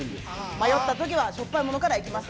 迷った時はしょっぱいものから行きます。